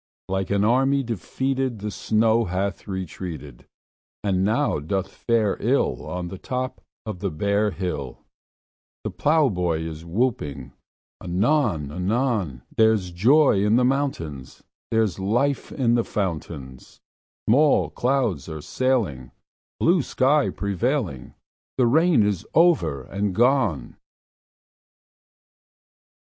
Like an army defeated The snow hath retreated, And now doth fare ill On the top of the bare hill; The plowboy is whooping anon anon: There's joy in the mountains; There's life in the fountains; Small clouds are sailing, Blue sky prevailing; The rain is over and gone!